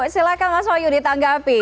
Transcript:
silahkan mas wayu ditanggapi